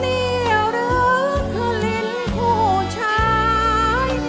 นี่หรือคือลิ้นผู้ชาย